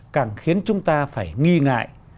càng khiến chúng ta phải nghi ngại